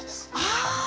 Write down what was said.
ああ！